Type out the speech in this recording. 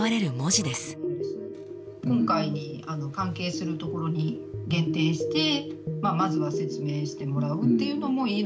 「今回に関係するところに限定してまずは説明してもらうっていうのもいいのかなと思いました」。